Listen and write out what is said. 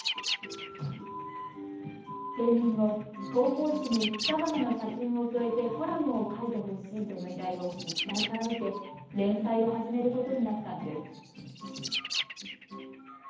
定年後、広報紙に草花の写真を添えてコラムを書いてほしいとの依頼を自治体から受け連載を始めることになったんです。